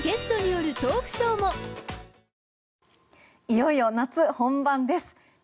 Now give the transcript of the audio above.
いよいよ夏本番です。